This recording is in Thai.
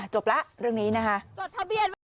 จบแล้วเรื่องนี้นะครับ